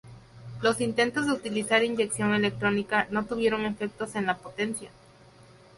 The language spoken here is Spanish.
Los intentos de utilizar inyección electrónica no tuvieron efectos en la potencia.